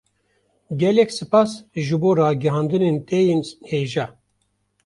Gelek spas ji bo ragihandinên te yên hêja